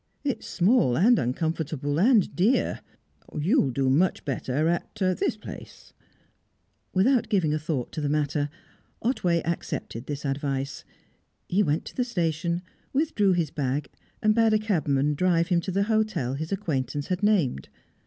"It's small and uncomfortable and dear. You'll do much better at " Without giving a thought to the matter, Otway accepted this advice. He went to the station, withdrew his bag, and bade a cabman drive him to the hotel his acquaintance had named.